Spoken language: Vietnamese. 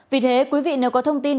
vì thế quý vị nếu có thông tin